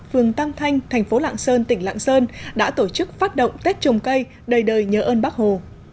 phường tăng thanh thành phố lạng sơn tỉnh lạng sơn đã tổ chức phát động tết trồng cây đời đời nhớ ơn bác hồ